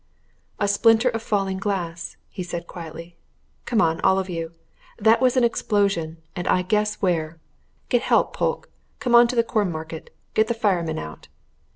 "A splinter of falling glass," he said quietly. "Come on, all of you! That was an explosion and I guess where! Get help, Polke come on to the Cornmarket! Get the firemen out."